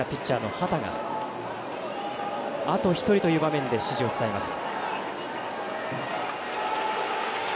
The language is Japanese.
畑があと一人という場面で指示を伝えます。